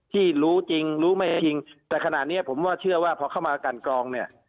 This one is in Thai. ที่รู้จริงรู้ไม่จริงแต่ขณะนี้ผมว่าเชื่อว่าพอเข้ามากันกรองเนี่ย